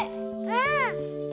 うん！